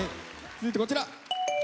続いてこちら。